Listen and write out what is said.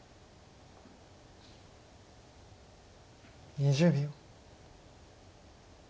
２０秒。